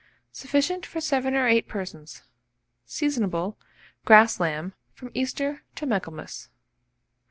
Sufficient for 7 or 8 persons. Seasonable, grass lamb, from Easter to Michaelmas.